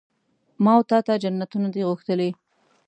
ما وتا ته جنتونه دي غوښتلي